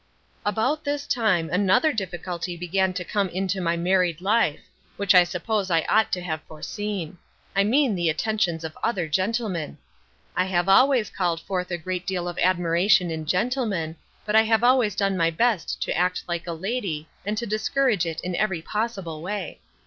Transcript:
About this time another difficulty began to come into my married life, which I suppose I ought to have foreseen I mean the attentions of other gentlemen. I have always called forth a great deal of admiration in gentlemen, but I have always done my best to act like a lady and to discourage it in every possible way.